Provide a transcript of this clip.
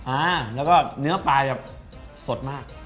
อ่าแล้วก็เนื้อปลาจะสดมาก